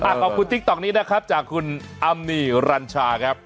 ขอบคุณติ๊กต๊อกนี้นะครับจากคุณอำนีรัญชาครับ